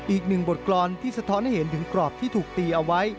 อีกหนึ่งบทกรรมที่สะท้อนให้เห็นถึงกรอบที่ถูกตีเอาไว้